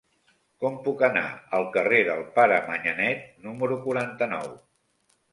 Com puc anar al carrer del Pare Manyanet número quaranta-nou?